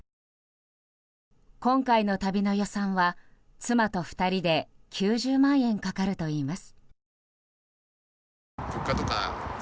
今回の旅の予算は、妻と２人で９０万円かかるといいます。